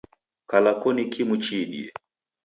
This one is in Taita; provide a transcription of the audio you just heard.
Kala koni kimu chiidie.